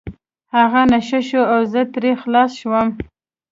هغه نشه شو او زه ترې خلاص شوم.